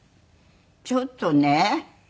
ちょっとね。